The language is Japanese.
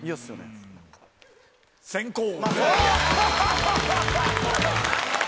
先攻。